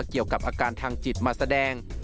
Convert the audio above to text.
เกี่ยวกับอาการทางจิตมาแสดง